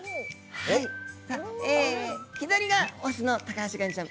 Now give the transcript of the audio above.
え左がオスのタカアシガニちゃん